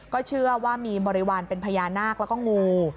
ก็เชื่อว่ามีบริวารเป็นพญานาคแล้วก็งู